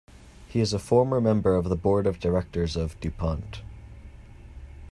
He is a former member of the board of directors of DuPont.